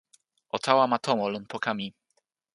o tawa ma tomo lon poka mi.